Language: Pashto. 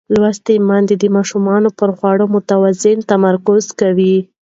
لوستې میندې د ماشوم پر خوړو متوازن تمرکز کوي.